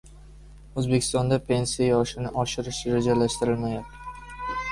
O‘zbekistonda pensiya yoshini oshirish rejalashtirilmayapti